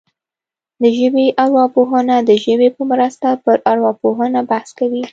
د ژبې ارواپوهنه د ژبې په مرسته پر ارواپوهنه بحث کوي